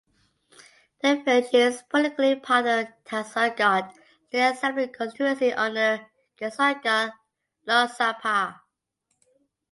The village is politically part of Kasaragod (State Assembly constituency) under Kasaragod Loksabha.